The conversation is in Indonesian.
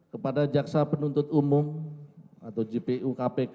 kepada jaksa penuntut umum atau jpu kpk